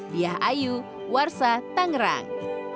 biahayu warsa tangerang